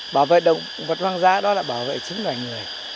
bảo vệ động vật hoang dã đó là bảo vệ chính loài người